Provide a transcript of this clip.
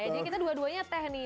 jadi kita dua duanya teh nih